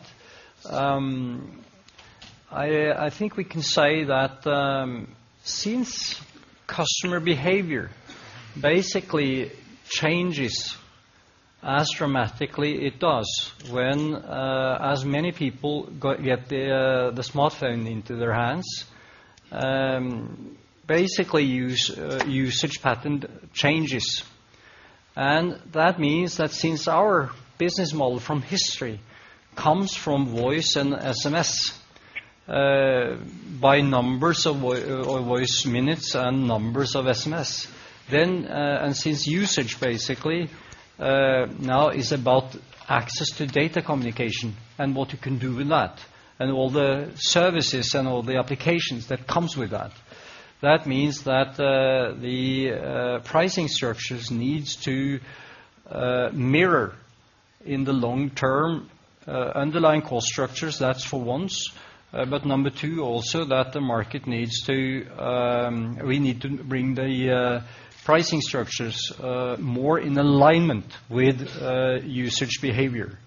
I think we can say that, since customer behavior basically changes as dramatically as it does when as many people get the smartphone into their hands, basically usage pattern changes. And that means that since our business model from history comes from voice and SMS, by numbers of voice minutes and numbers of SMS, then and since usage basically now is about access to data communication and what you can do with that, and all the services and all the applications that comes with that. That means that the pricing structures needs to mirror in the long term underlying cost structures, that's for once. But number two, also, that the market needs to, we need to bring the, pricing structures, more in alignment with, usage behavior.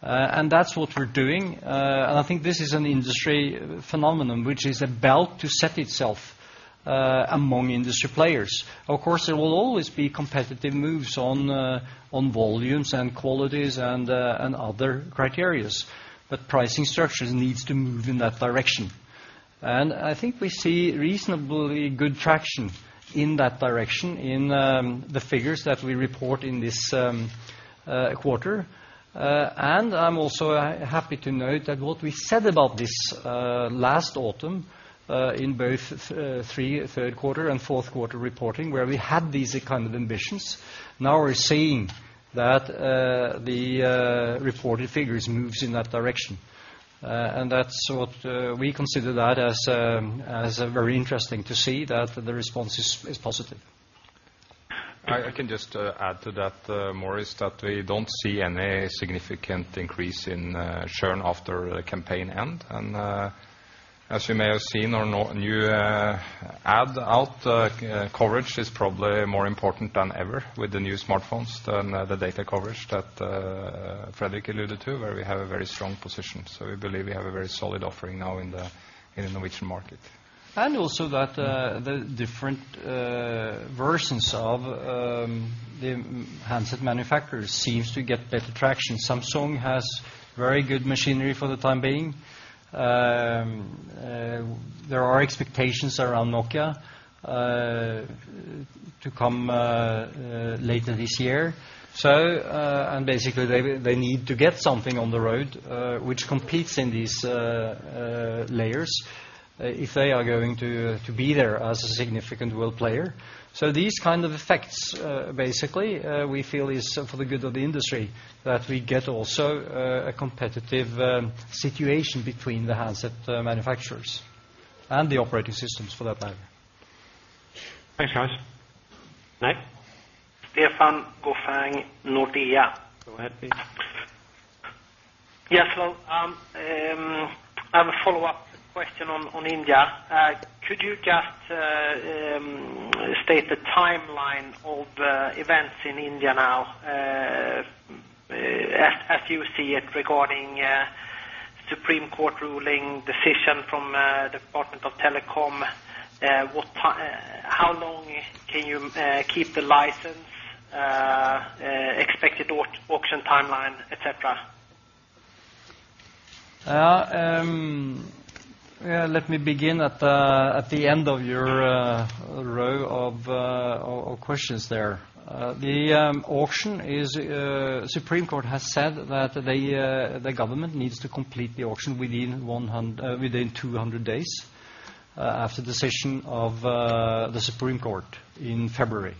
And that's what we're doing. And I think this is an industry phenomenon, which is about to set itself, among industry players. Of course, there will always be competitive moves on, on volumes and qualities and, and other criteria, but pricing structures needs to move in that direction. And I think we see reasonably good traction in that direction in, the figures that we report in this, quarter. And I'm also happy to note that what we said about this last autumn in both Q3 and Q4 reporting, where we had these kind of ambitions, now we're seeing that the reported figures moves in that direction. And that's what we consider that as very interesting to see, that the response is positive. I can just add to that, Maurice, that we don't see any significant increase in churn after the campaign end. And as you may have seen or not, new network coverage is probably more important than ever with the new smartphones than the data coverage that Fredrik alluded to, where we have a very strong position. So we believe we have a very solid offering now in the Norwegian market. ...And also that, the different versions of the handset manufacturers seems to get better traction. Samsung has very good machinery for the time being. There are expectations around Nokia to come later this year. So and basically, they need to get something on the road, which competes in these layers, if they are going to be there as a significant world player. So these kind of effects, basically, we feel is for the good of the industry, that we get also a competitive situation between the handset manufacturers and the operating systems for that matter. Thanks, guys. Next? Stefan Gauffin, Nordea. Go ahead, please. Yes, well, I have a follow-up question on India. Could you just state the timeline of events in India now, as you see it, regarding Supreme Court ruling, decision from the Department of Telecom? What—how long can you keep the license, expected auction timeline, et cetera? Yeah, let me begin at the end of your row of questions there. The auction is, Supreme Court has said that the government needs to complete the auction within 200 days after the decision of the Supreme Court in February.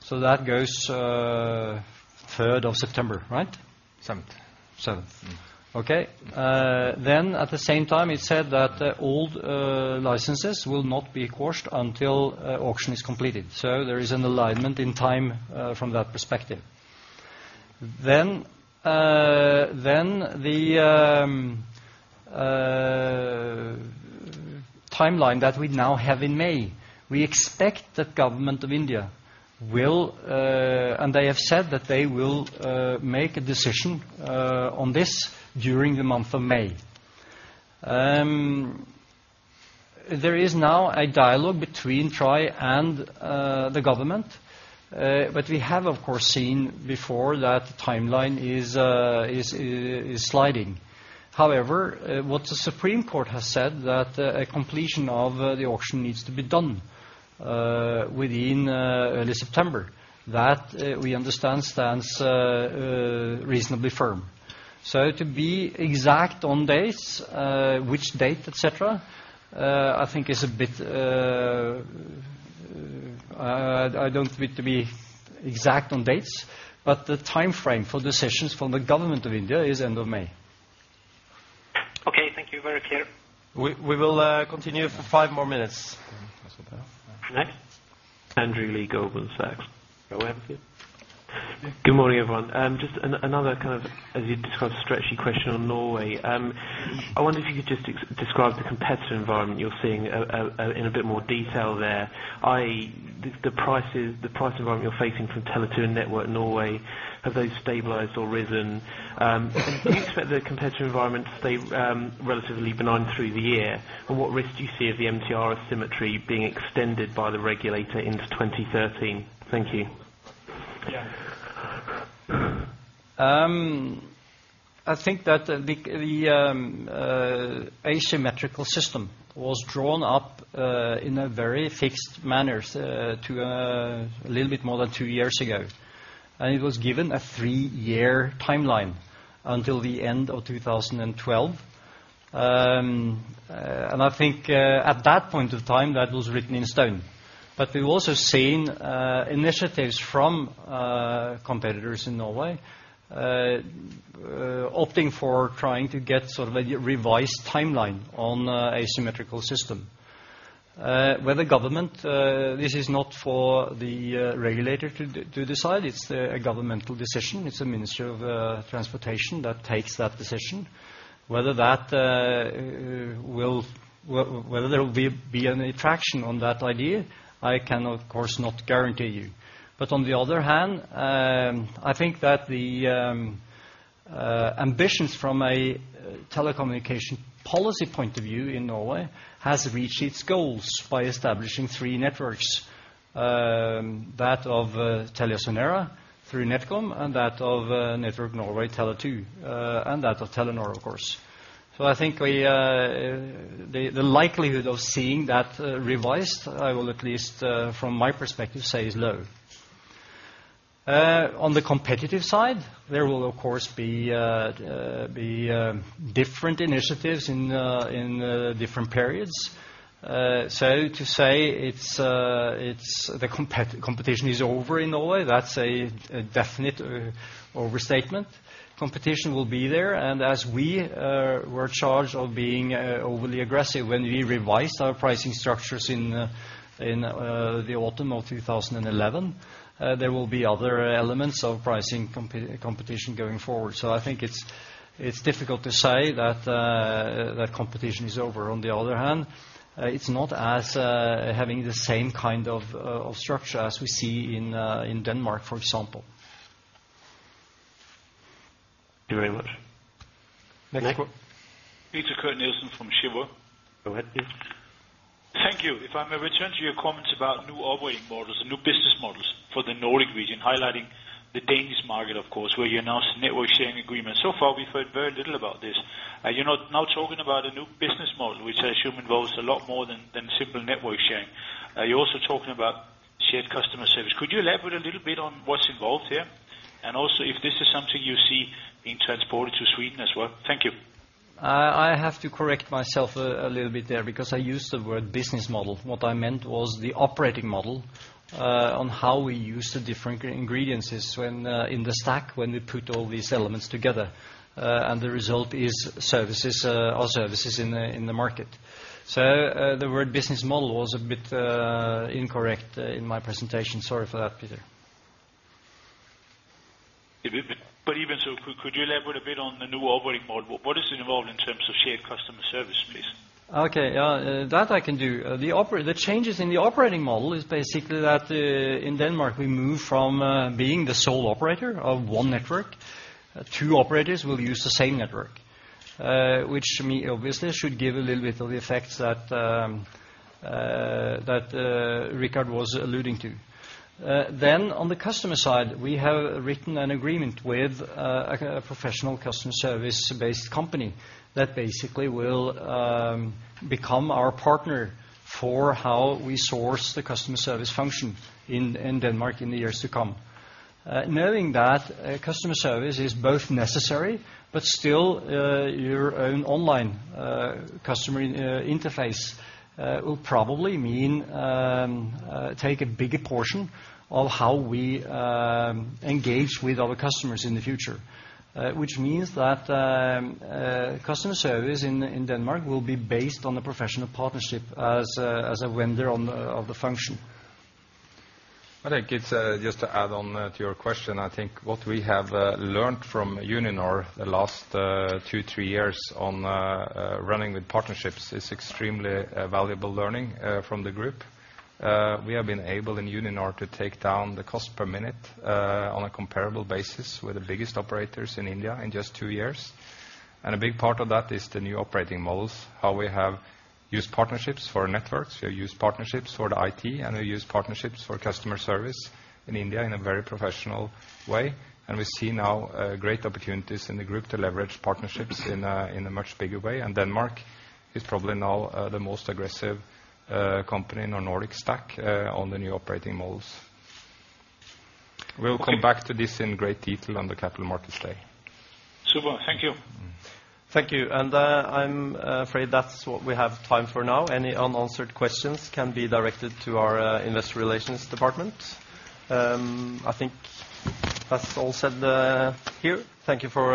So that goes third of September, right? Seventh. Seventh. Okay. Then at the same time, it said that old licenses will not be quashed until auction is completed. So there is an alignment in time from that perspective. Then the timeline that we now have in May, we expect that Government of India will, and they have said that they will, make a decision on this during the month of May. There is now a dialogue between TRAI and the government, but we have, of course, seen before that the timeline is sliding. However, what the Supreme Court has said that a completion of the auction needs to be done within early September. That we understand stands reasonably firm. So, to be exact on dates, I don't need to be exact on dates, but the timeframe for decisions from the government of India is end of May. Okay, thank you. Very clear. We will continue for five more minutes. Yes. Next? Andrew Lee, Goldman Sachs. Go ahead, please. Good morning, everyone. Just another kind of, as you described, stretchy question on Norway. I wonder if you could just describe the competitive environment you're seeing in a bit more detail there, i.e., the, the prices, the price environment you're facing from Tele2 and Network Norway, have those stabilized or risen? Do you expect the competitive environment to stay relatively benign through the year? And what risk do you see of the MTR asymmetry being extended by the regulator into 2013? Thank you. Yeah. I think that the asymmetrical system was drawn up in a very fixed manner a little bit more than two years ago, and it was given a three-year timeline until the end of 2012. I think at that point of time, that was written in stone. But we've also seen initiatives from competitors in Norway opting for trying to get sort of a revised timeline on an asymmetrical system. Where the government, this is not for the regulator to decide. It's a governmental decision. It's a Ministry of Transportation that takes that decision. Whether that will—whether there will be any traction on that idea, I can, of course, not guarantee you. But on the other hand, I think that the ambitions from a telecommunication policy point of view in Norway has reached its goals by establishing three networks, that of TeliaSonera through NetCom, and that of Network Norway, Tele2, and that of Telenor, of course. So I think the likelihood of seeing that revised, I will at least from my perspective, say is low. On the competitive side, there will, of course, be different initiatives in different periods. So to say it's the competition is over in Norway, that's a definite overstatement. Competition will be there, and as we were charged of being overly aggressive when we revised our pricing structures in the autumn of 2011, there will be other elements of pricing competition going forward. So I think it's difficult to say that competition is over. On the other hand, it's not as having the same kind of structure as we see in Denmark, for example. ... Thank you very much. Next one? Peter Kurt Nielsen from Cheuvreux. Go ahead, please. Thank you. If I may return to your comments about new operating models and new business models for the Nordic region, highlighting the Danish market, of course, where you announced network sharing agreement. So far, we've heard very little about this. Are you not now talking about a new business model, which I assume involves a lot more than, than simple network sharing? Are you also talking about shared customer service? Could you elaborate a little bit on what's involved here, and also if this is something you see being transported to Sweden as well? Thank you. I have to correct myself a little bit there, because I used the word business model. What I meant was the operating model, on how we use the different ingredients when in the stack, when we put all these elements together. And the result is services, or services in the market. So, the word business model was a bit incorrect in my presentation. Sorry for that, Peter. But even so, could you elaborate a bit on the new operating model? What does it involve in terms of shared customer service, please? Okay, that I can do. The changes in the operating model is basically that, in Denmark, we move from being the sole operator of one network. Two operators will use the same network, which to me, obviously, should give a little bit of the effects that Rickard was alluding to. Then on the customer side, we have written an agreement with a professional customer service-based company, that basically will become our partner for how we source the customer service function in Denmark in the years to come. Knowing that customer service is both necessary, but still, your own online customer interface will probably mean take a bigger portion of how we engage with our customers in the future. Which means that customer service in Denmark will be based on a professional partnership as a vendor of the function. I think it's just to add on to your question, I think what we have learned from Uninor the last 2, 3 years on running with partnerships is extremely valuable learning from the group. We have been able, in Uninor, to take down the cost per minute on a comparable basis with the biggest operators in India in just 2 years. And a big part of that is the new operating models, how we have used partnerships for networks, we have used partnerships for the IT, and we use partnerships for customer service in India in a very professional way. And we see now great opportunities in the group to leverage partnerships in a much bigger way. Denmark is probably now the most aggressive company in the Nordic stack on the new operating models. We'll come back to this in great detail on the capital markets day. Super. Thank you. Thank you. I'm afraid that's what we have time for now. Any unanswered questions can be directed to our investor relations department. I think that's all said here. Thank you for-